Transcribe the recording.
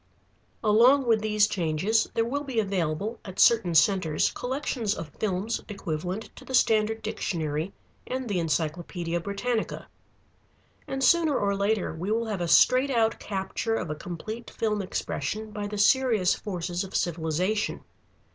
Along with these changes, there will be available at certain centres collections of films equivalent to the Standard Dictionary and the Encyclopædia Britannica. And sooner or later we will have a straight out capture of a complete film expression by the serious forces of civilization.